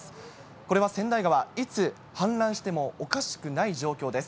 これは川内川、いつ氾濫してもおかしくない状況です。